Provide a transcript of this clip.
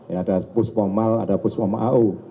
ya ada pus pom mal ada pus pom au